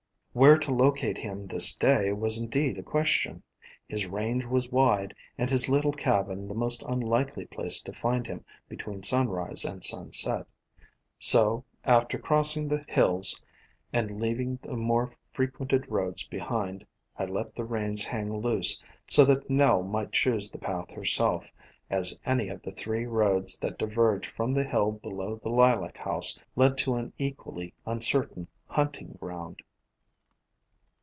Where to locate him this day was indeed a question. His range was wide, and his little cabin the most unlikely place to find him between sunrise and sunset. So, 25O A COMPOSITE FAMILY after crossing the hills and leaving the more fre quented roads behind, I let the reins hang loose, so that Nell might choose the path herself, as any one of the three roads that diverged from the hill below the Lilac House led to an equally uncertain hunting ground.